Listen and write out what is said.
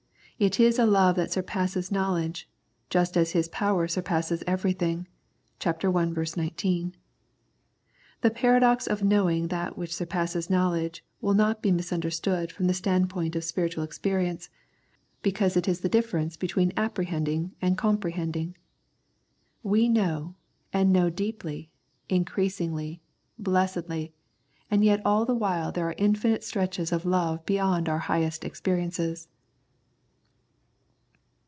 It is a love that surpasses knowledge, just as His power surpasses everything (ch. i. 19). The paradox of knowing that which surpasses knowledge will not be misunderstood from the standpoint of spiritual experience, because 121 The Prayers of St. Paul it is the difference between apprehending and comprehending. We know, and know deeply, increasingly, blessedly, and yet all the while there are infinite stretches of love beyond our highest experiences.